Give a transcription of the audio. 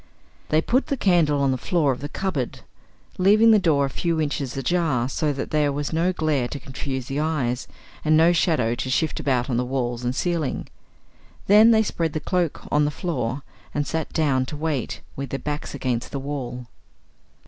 They put the candle on the floor of the cupboard, leaving the door a few inches ajar, so that there was no glare to confuse the eyes, and no shadow to shift about on walls and ceiling. Then they spread the cloak on the floor and sat down to wait, with their backs against the wall.